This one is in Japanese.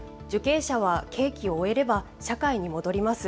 受刑者は刑期を終えれば社会に戻ります。